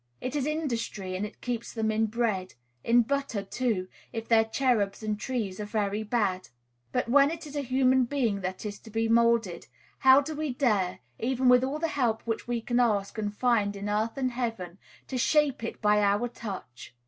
It is industry, and it keeps them in bread; in butter, too, if their cherubs and trees are very bad. But, when it is a human being that is to be moulded, how do we dare, even with all the help which we can ask and find in earth and in heaven, to shape it by our touch!